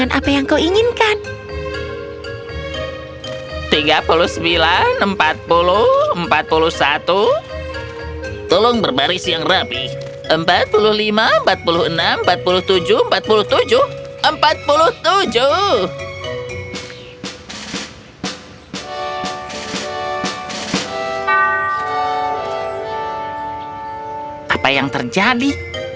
apa yang terjadi